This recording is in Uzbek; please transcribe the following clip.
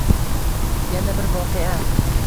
Yana bir voqea.